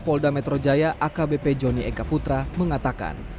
polda metro jaya akbp joni eka putra mengatakan